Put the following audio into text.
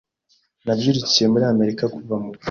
Nabyirukiye muri Amerika kuva mubuto